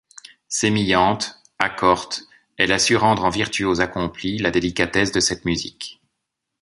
Sémillante, accorte, elle a su rendre en virtuose accomplie, la délicatesse de cette musique.